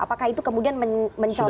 apakah itu kemudian mencontoh juga